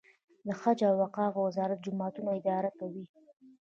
د حج او اوقافو وزارت جوماتونه اداره کوي